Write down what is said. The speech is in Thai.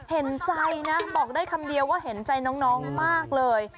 เห็นใจนะบอกได้คำเดียวว่าเห็นใจน้องมากเลย